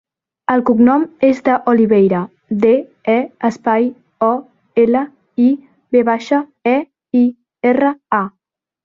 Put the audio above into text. El cognom és De Oliveira: de, e, espai, o, ela, i, ve baixa, e, i, erra, a.